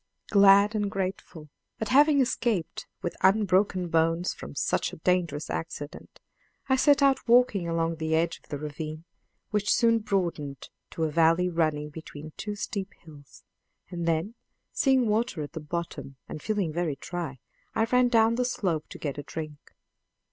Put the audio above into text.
Glad and grateful at having escaped with unbroken bones from such a dangerous accident, I set out walking along the edge of the ravine, which soon broadened to a valley running between two steep hills; and then, seeing water at the bottom and feeling very dry, I ran down the slope to get a drink.